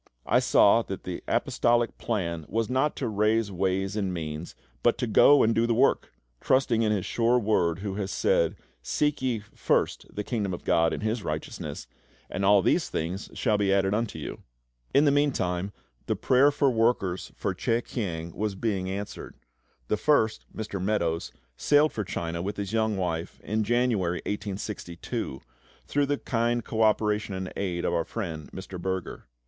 I saw that the Apostolic plan was not to raise ways and means, but to go and do the work, trusting in His sure Word who has said, "Seek ye first the Kingdom of GOD and His righteousness, and all these things shall be added unto you." In the meantime the prayer for workers for CHEH KIANG was being answered. The first, Mr. Meadows, sailed for China with his young wife in January 1862, through the kind co operation and aid of our friend Mr. Berger.